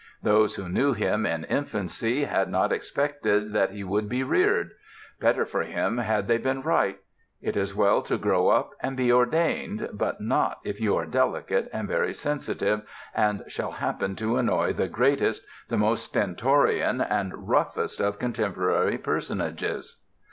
Those who knew him in infancy had not expected that he would be reared. Better for him had they been right. It is well to grow up and be ordained, but not if you are delicate and very sensitive, and shall happen to annoy the greatest, the most stentorian and roughest of contemporary personages.